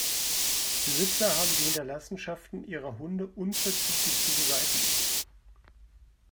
Besitzer haben die Hinterlassenschaften ihrer Hunde unverzüglich zu beseitigen.